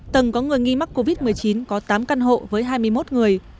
tầng có người nghi mắc covid một mươi chín có tám căn hộ với hai mươi một người